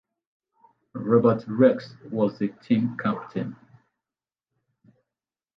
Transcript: Robert Rex was the team captain.